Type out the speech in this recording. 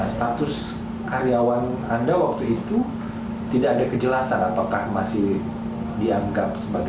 status karyawan anda waktu itu tidak ada kejelasan apakah masih dianggap sebagai